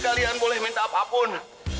kalian boleh minta apapun